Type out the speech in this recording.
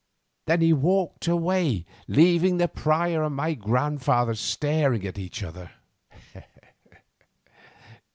Then he walked away, leaving the prior and my grandfather staring at each other.